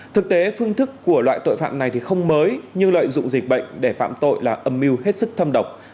thực tế phương thức của loại tội phạm này thì không mới như lợi dụng dịch bệnh để phạm tội là âm mưu hết sức thâm độc